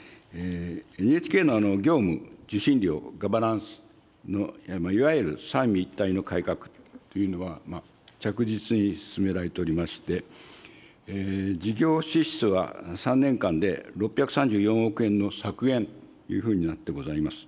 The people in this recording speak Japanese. ＮＨＫの業務、受信料、ガバナンスのいわゆる三位一体の改革というのは、着実に進められておりまして、事業支出は３年間で６３４億円の削減というふうになってございます。